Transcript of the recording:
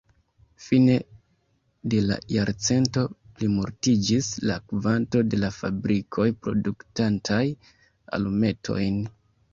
Fine de la jarcento plimultiĝis la kvanto de la fabrikoj produktantaj alumetojn.